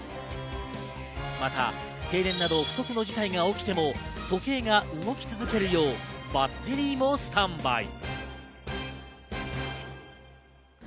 また、停電など不測の事態が起きても時計が動き続けるようバッテリーもスタンバイ。